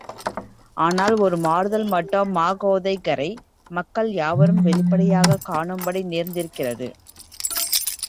ஆனால் ஒரு மாறுதல் மட்டும் மாகோதைக் கரை மக்கள் யாவரும் வெளிப்படையாகக் காணும்படி நேர்ந்திருக்கிறது.